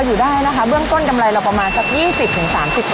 พออยู่ได้เนอะว่ากำไรเราประมาณ๒๐๓๐